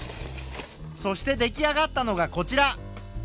そして出来上がったのがこちら。